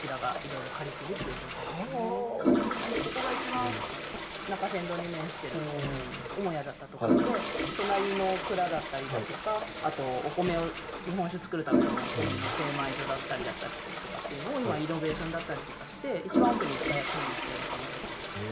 なのでここがいちばん中山道に面してる母屋だったところで隣の蔵だったりだとかあと日本酒を造るためのお米の精米所だったりとかっていうのを今リノベーションだったりとかしていちばん奥に深谷シネマという映画館が入ってる。